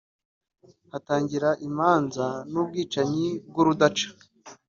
hatangira imanza n’ubwicanyi bw’urudaca